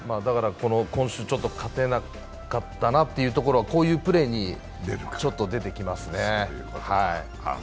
今週ちょっと勝てなかったというところが、こういうプレーに出てきますね。